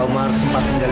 omar sempat tinggal